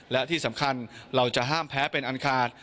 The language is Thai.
และที่สำคัญเราจะห้ามแพ้เป็นอันขาด